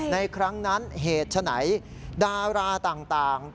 ในครั้งนั้นเหตุฉะไหนดาราต่าง